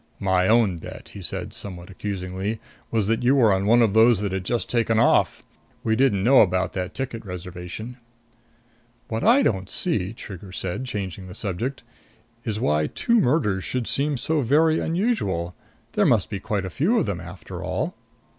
"My own bet," he said, somewhat accusingly, "was that you were one of those that had just taken off. We didn't know about that ticket reservation." "What I don't see," Trigger said, changing the subject, "is why two murders should seem so very unusual. There must be quite a few of them, after all."